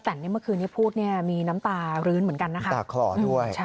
แต่เมื่อคืนนี้พูดมีน้ำตารื้นเหมือนกันน้ำตาคลอด้วย